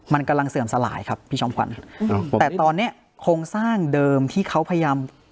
มันกำลังเสื่อมสลายครับพี่จอมขวัญอืมแต่ตอนเนี้ยโครงสร้างเดิมที่เขาพยายาม